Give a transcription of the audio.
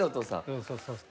そうそうそうそう。